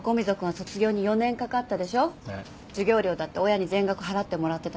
授業料だって親に全額払ってもらってたじゃん。